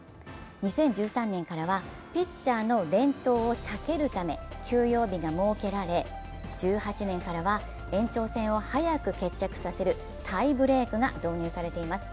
２０１３年からはピッチャーの連投を避けるため休養日が設けられ１８年からは延長戦を早く決着させるタイブレークが導入されています。